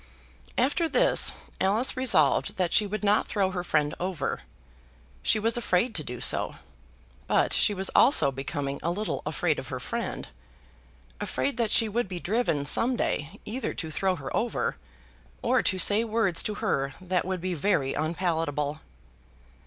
After this Alice resolved that she would not throw her friend over. She was afraid to do so. But she was also becoming a little afraid of her friend, afraid that she would be driven some day either to throw her over, or to say words to her that would be very unpalatable.